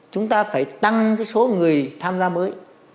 chúng ta phải tăng số người tham gia mới